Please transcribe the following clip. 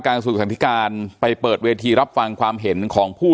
การอังกษุทธิการไปเปิดเวทีรับฟังความเห็นของผู้